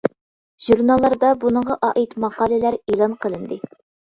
ژۇرناللاردا بۇنىڭغا ئائىت ماقالىلەر ئېلان قىلىندى.